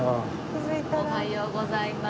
おはようございます。